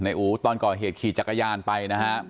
ในอูมตอนก่อเหตุขี่จับรถไปนะครับ